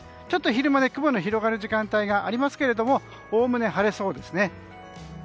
ちょっと昼間雲の広がる時間帯がありますがおおむね晴れそうですね。